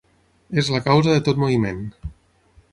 És la causa de tot moviment.